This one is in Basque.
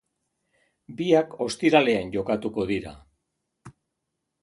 Biak ostiralean jokatuko dira.